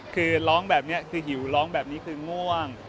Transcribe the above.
คือร้องแบบนี้คือหิวร้องแบบนี้คือง่วง